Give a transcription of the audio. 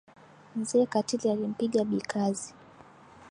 Mzee Katili alimpiga Bi Kazi.